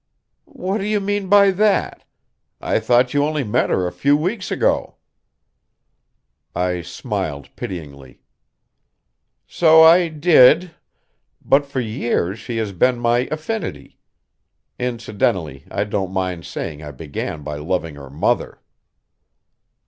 "What do you mean by that? I thought you only met her a few weeks ago." I smiled pityingly. "So I did, but for years she has been my affinity. Incidentally I don't mind saying I began by loving her mother."